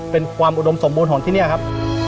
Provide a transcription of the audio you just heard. เป็นความอุดมสมบูรณ์ของที่นี่ครับ